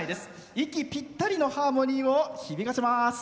息ぴったりのハーモニーを響かせます。